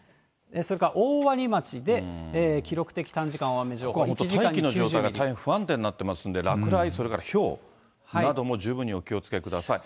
それから大鰐町で記録的短時間大雨情報、大気の状態が大変不安定になってますので、落雷、それからひょうなども十分にお気をつけください。